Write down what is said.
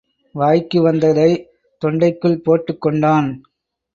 வாய்க்கு வந்தததை, தொண்டைக்குள் போட்டுக் கொண்டான்.